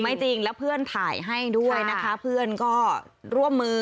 ไม่จริงแล้วเพื่อนถ่ายให้ด้วยนะคะเพื่อนก็ร่วมมือ